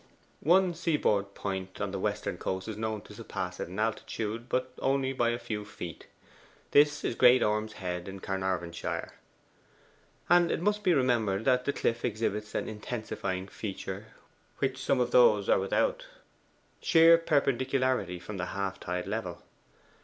One sea bord point on the western coast is known to surpass it in altitude, but only by a few feet. This is Great Orme's Head, in Caernarvonshire. And it must be remembered that the cliff exhibits an intensifying feature which some of those are without sheer perpendicularity from the half tide level.